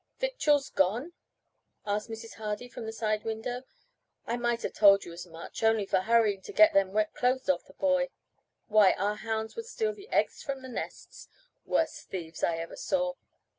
"Victuals gone?" asked Mrs. Hardy, from the side window. "I might have told you as much, only for hurryin' to get them wet clothes off that boy. Why, our hounds would steal the eggs from the nests, worst thieves I ever saw.